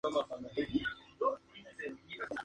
Actualmente, su desarrollo ha sido abandonado.